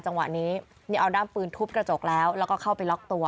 จังหวะนี้นี่เอาด้ามปืนทุบกระจกแล้วแล้วก็เข้าไปล็อกตัว